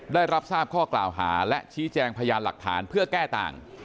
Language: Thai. ได้รับทราบข้อกล่าวหาและชี้แจงพยานหลักฐานเพื่อแก้ต่าง